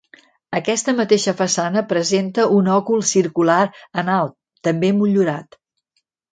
Aquesta mateixa façana presenta un òcul circular en alt, també motllurat.